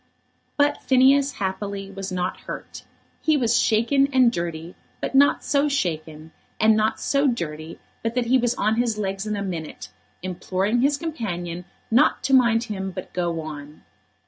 But Phineas, happily, was not hurt. He was shaken and dirty, but not so shaken, and not so dirty, but that he was on his legs in a minute, imploring his companion not to mind him but go on.